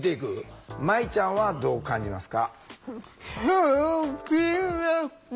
舞ちゃんはどう感じますか？